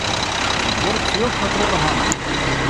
It wurk fljocht har troch de hannen.